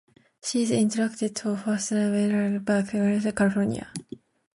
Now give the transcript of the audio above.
She is interred at Forest Lawn Memorial Park, Glendale, California.